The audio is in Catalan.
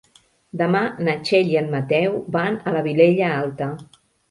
Demà na Txell i en Mateu van a la Vilella Alta.